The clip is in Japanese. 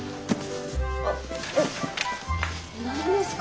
何ですか？